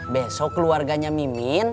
besok keluarganya mimin